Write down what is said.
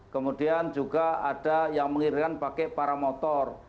kemudian juga ada yang mengirimkan pakai paramotor